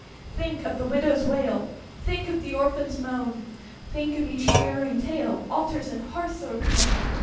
Think of the widow's wail, Think of the orphan's moan! Think of each harrowing tale, Altars and hearths o'erthrown!